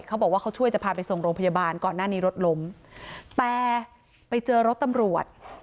เขาบอกว่าเขาช่วยจะพาไปส่งโรงพยาบาลก่อนหน้านี้รถล้มแต่ไปเจอรถตำรวจ